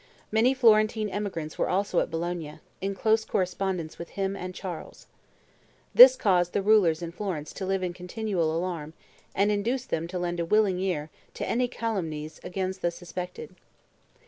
Many Florentine emigrants were also at Bologna, in close correspondence with him and Charles. This caused the rulers in Florence to live in continual alarm, and induced them to lend a willing ear to any calumnies against the suspected.